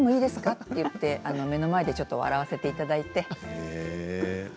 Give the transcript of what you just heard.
って言って目の前で笑わせていただきました。